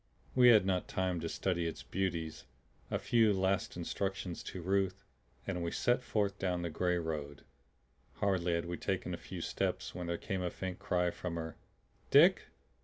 We had not time to study its beauties. A few last instructions to Ruth, and we set forth down the gray road. Hardly had we taken a few steps when there came a faint cry from her. "Dick!